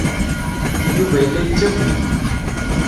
Yuba yella yettaki-d.